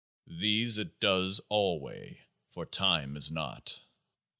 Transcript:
These IT does alway, for time is not.